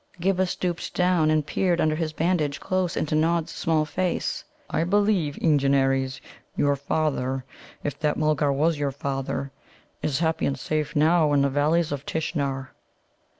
Ghibba stooped down and peered under his bandage close into Nod's small face. "I believe, Eengenares, your father if that Mulgar was your father is happy and safe now in the Valleys of Tishnar."